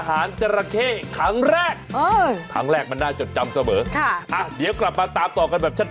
อ่ะช่วงสุดท้ายนี่จะพาทุกคนไปเที่ยวสวนสัตว์